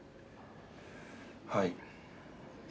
はい。